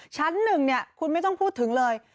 ชั้นหนึ่งเนี่ยคุณไม่ต้องพูดถึงเลย